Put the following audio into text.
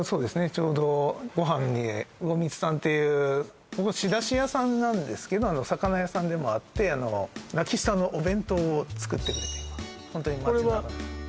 ちょうどごはんに魚光さんっていうここ仕出し屋さんなんですけど魚屋さんでもあって「らき☆すた」のお弁当を作ってくれています